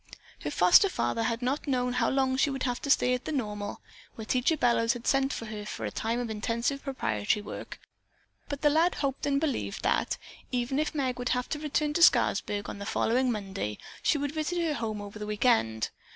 Her foster father had not known how long she would have to stay at the Normal, where Teacher Bellows had sent her for a time of intensive preparatory work, but the lad hoped and believed that, even if Meg would have to return to Scarsburg on the following Monday, she would visit her home over the week end.